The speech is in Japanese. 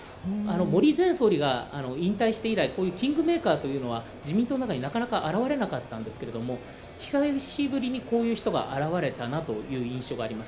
森前総理が引退して以来、こういうキングメーカーというのは自民党の中になかなか現れなかったんですけども久しぶりに、こういう人が現れたなという印象があります。